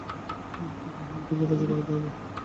কিন্তু হেমকে তো রাজি করাইতে হইবে।